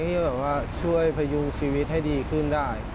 ที่แบบว่าช่วยพยุงชีวิตให้ดีขึ้นได้